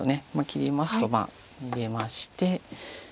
切りますと逃げまして。